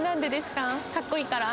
かっこいいから。